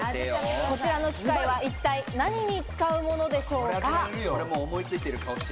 こちらの機械は一体何に使うものでしょうか？